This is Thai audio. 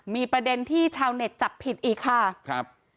มีประเด็นที่ชาวเน็ตจับผิดอีกค่ะครับ